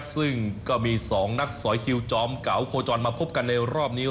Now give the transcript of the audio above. ซึ่งก็มี๒นักสอยคิวจอมเก๋าโคจรมาพบกันในรอบนี้